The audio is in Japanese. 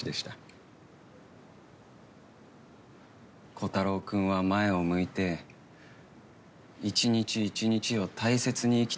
コタローくんは前を向いて一日一日を大切に生きてた。